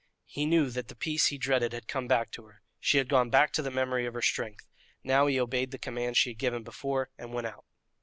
He knew that the peace he dreaded had come back to her. She had gone back to the memory of her strength. Now he obeyed the command she had given before, and went out.